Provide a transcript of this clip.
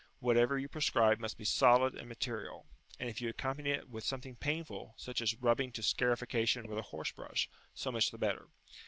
Whatever you prescribe must be solid and material, and if you accompany it with something painful, such as rubbing to scarification with a horse brush, so much the better.